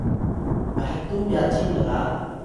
mhtuw byacing lga